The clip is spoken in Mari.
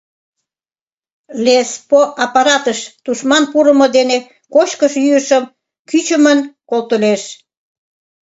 ЛесПО аппаратыш тушман пурымо дене кочкыш-йӱышым кӱчымын колтылеш.